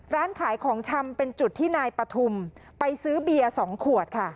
ร้านขายของชำเป็นจุดที่นายปฐุมไปซื้อเบียร์๒ขวดค่ะ